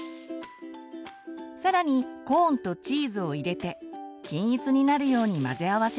さらにコーンとチーズを入れて均一になるように混ぜ合わせます。